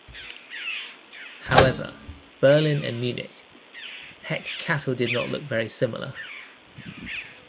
However, Berlin and Munich Heck cattle did not look very similar.